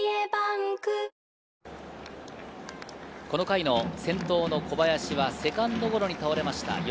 この回の先頭の小林はセカンドゴロに倒れました。